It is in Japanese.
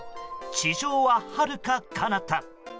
地上は、はるかかなた。